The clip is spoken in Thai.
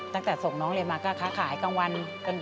ตั้งแต่ส่งน้องเรียนมาก็ค้าขายกลางวัน